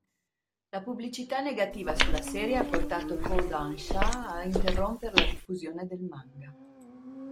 La pubblicità negativa sulla serie ha portato Kōdansha a interrompere la diffusione del manga.